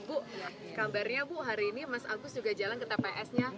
bu kabarnya bu hari ini mas agus juga jalan ke tps nya